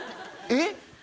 えっ？